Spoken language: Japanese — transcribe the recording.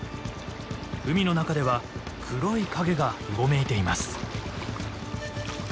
海の中では黒い影がうごめいています。